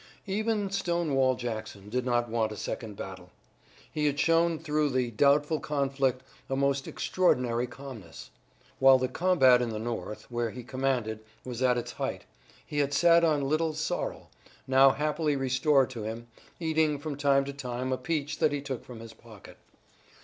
Even Stonewall Jackson did not want a second battle. He had shown through the doubtful conflict a most extraordinary calmness. While the combat in the north, where he commanded, was at its height, he had sat on Little Sorrel, now happily restored to him, eating from time to time a peach that he took from his pocket.